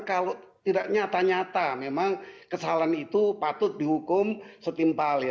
kalau tidak nyata nyata memang kesalahan itu patut dihukum setimpal